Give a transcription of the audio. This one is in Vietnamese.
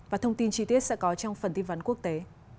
và thông tin chi tiết sẽ có trong phần tin vấn quốc tế